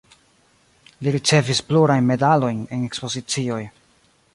Li ricevis plurajn medalojn en ekspozicioj.